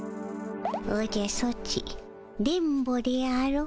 おじゃソチ電ボであろ？